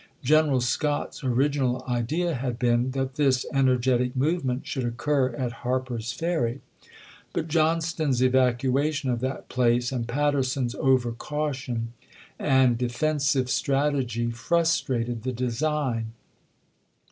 Greneral Scott's original idea had been that this energetic movement should occur at Harper's Ferry, but Johnston's evacuation of that place and Patterson's over caution and defensive strategy frustrated the design.